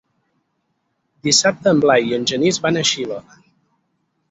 Dissabte en Blai i en Genís van a Xiva.